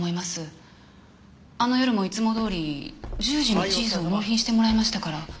あの夜もいつもどおり１０時にチーズを納品してもらいましたから。